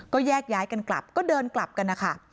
ก็แยกย้ายกันกลับก็เดินกลับกันนะคะ